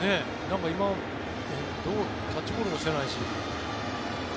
今キャッチボールもしてないし。